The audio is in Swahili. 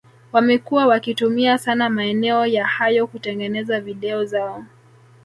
wamekuwa wakitumia sana maeneo ya hayo kutengeneza video zao